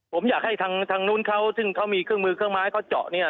ผมอยากให้ทางนู้นเขาซึ่งเขามีเครื่องมือเครื่องไม้เขาเจาะเนี่ย